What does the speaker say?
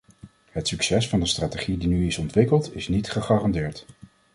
Het succes van de strategie die nu is ontwikkeld, is niet gegarandeerd.